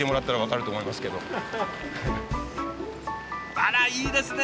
あらいいですね。